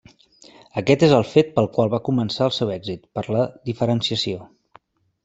Aquest és el fet pel qual va començar el seu èxit, per la diferenciació.